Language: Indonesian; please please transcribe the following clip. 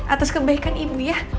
atas kebaikan ibu ya